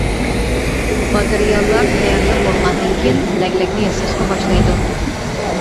ماتېرىياللار تەييارلىنىپ بولغاندىن كېيىن لەگلەكنى ياساشقا باشلايدۇ.